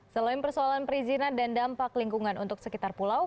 selain persoalan perizinan dan dampak lingkungan untuk sekitar pulau